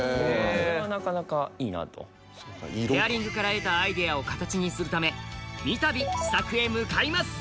これはなかなかいいなとペアリングから得たアイデアを形にするため三度試作へ向かいます